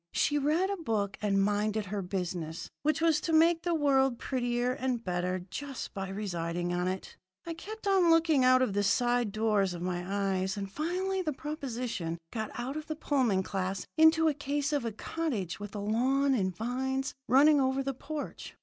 She read a book and minded her business, which was to make the world prettier and better just by residing on it. I kept on looking out of the side doors of my eyes, and finally the proposition got out of the Pullman class into a case of a cottage with a lawn and vines running over the porch.